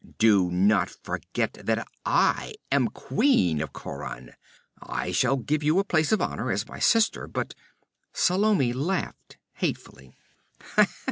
Do not forget that I am Queen of Khauran! I shall give you a place of honor, as my sister, but ' Salome laughed hatefully.